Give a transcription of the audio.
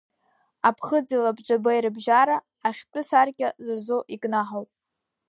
Аԥхыӡи лабҿабеи рыбжьара, ахьтәы саркьа зазо икнаҳауп.